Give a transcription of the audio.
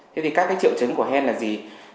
thế thì các triệu chứng của hen là gì